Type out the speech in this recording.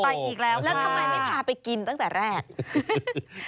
อีกแล้วแล้วทำไมไม่พาไปกินตั้งแต่แรก